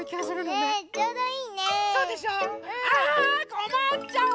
こまっちゃう！